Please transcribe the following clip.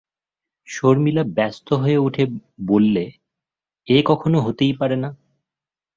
শর্মিলা ব্যস্ত হয়ে উঠে বললে, এ কখনো হতেই পারে না।